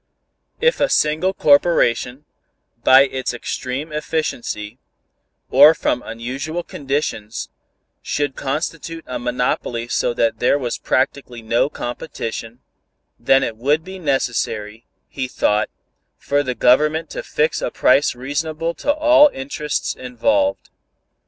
If a single corporation, by its extreme efficiency, or from unusual conditions, should constitute a monopoly so that there was practically no competition, then it would be necessary, he thought, for the Government to fix a price reasonable to all interests involved.